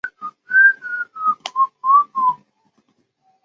现正就读于国立台湾戏曲学院客家戏学系。